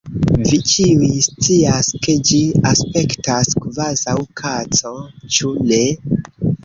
Vi ĉiuj scias ke ĝi aspektas kvazaŭ kaco, ĉu ne?